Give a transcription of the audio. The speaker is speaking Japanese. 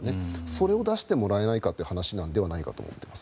それを出してもらえないかという話じゃないかと思います。